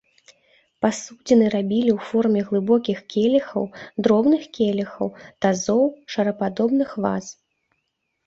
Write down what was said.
Пасудзіны рабілі ў форме глыбокіх келіхаў, дробных келіхаў, тазоў, шарападобных ваз.